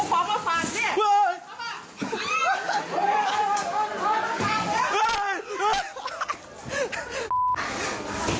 มาพูดของมาฝากนี่